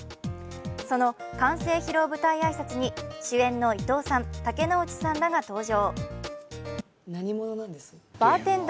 その完成披露舞台挨拶に主演の伊藤さん、竹ノ内さんらが登場。